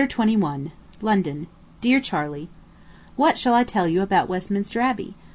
Letter 21. LONDON. DEAR CHARLEY: What shall I tell you about Westminster Abbey?